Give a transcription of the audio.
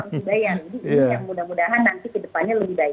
jadi ini yang mudah mudahan nanti kedepannya lebih baik